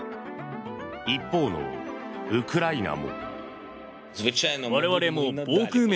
一方のウクライナも。